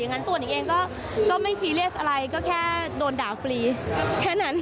งั้นตัวนิ่งเองก็ไม่ซีเรียสอะไรก็แค่โดนด่าฟรีแค่นั้น